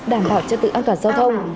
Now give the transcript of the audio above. đảm bảo cho tự an toàn giao thông